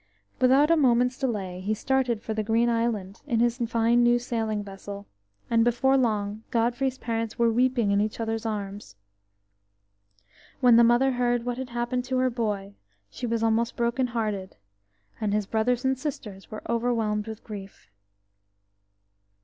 Without a moment's delay, he started for the Green Island in his fine new sailing vessel, and before long Godfrey's parents were weeping in each other's arms. When the mother heard what had happened to her boy, she was almost brokenhearted, and his brothers and sisters were overwhelmed with grief.